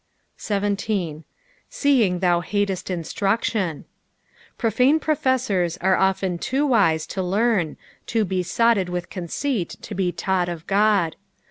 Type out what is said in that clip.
17. "Seeing thou hatest iaetruetUm.^' Profane professois are often too vise to learn, too besotted with conceit to be taught of God.